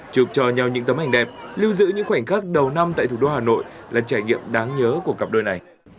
chụp cho nhau những tấm ảnh đẹp lưu giữ những khoảnh khắc đầu năm tại thủ đô hà nội là trải nghiệm đáng nhớ của cặp đôi này